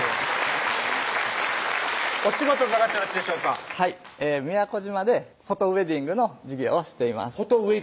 お仕事伺ってよろしいでしょうかはい宮古島でフォトウエディングの事業をしています